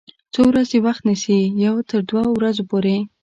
څو ورځې وخت نیسي؟ یوه تر دوه ورځو پوری